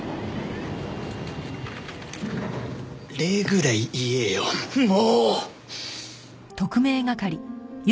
礼ぐらい言えよもう！